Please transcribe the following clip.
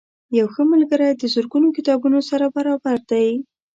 یو ښه ملګری د زرګونو کتابتونونو سره برابر دی.